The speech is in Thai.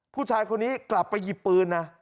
ผู้ชายคนนี้กลับไปหยิบปืนนะ